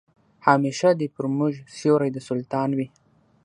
همېشه دي پر موږ سیوری د سلطان وي